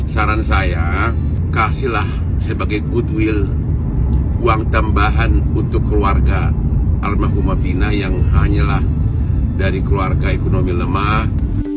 saran saya kasihlah sebagai goodwill uang tambahan untuk keluarga almarhumah fina yang hanyalah dari keluarga ekonomi lemah